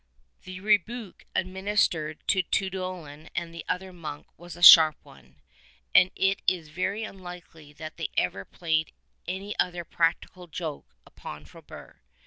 144 The rebuke administered to Tuedolin and the other monk was a sharp one, and it is very unlikely that they ever played any other practical joke upon Frobert.